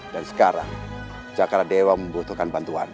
dan sekarang cakra dewa membutuhkan bantuanmu